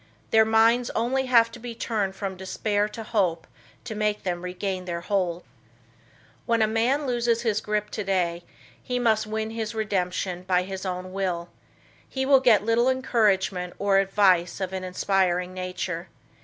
Their minds only have to be turned from despair to hope to make them regain their hold. When a man loses his grip today, he must win his redemption by his own will. He will get little encouragement or advice of an inspiring nature.